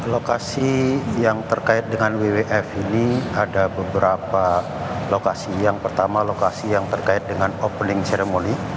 lokasi yang terkait dengan wwf ini ada beberapa lokasi yang pertama lokasi yang terkait dengan opening ceremony